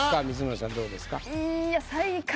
光宗さんどうですか？